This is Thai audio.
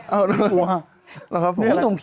ไม่กลัวครับ